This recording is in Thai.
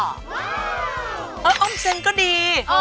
ว้าวเอาออนเซ็นต์ก็ดี